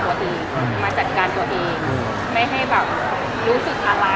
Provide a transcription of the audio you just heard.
คือแปลว่ามีอะไรที่มันมันมันเขาเรียกว่าไรอ่ะ